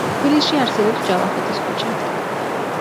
თბილისში არსებობს ჯავახეთის ქუჩა.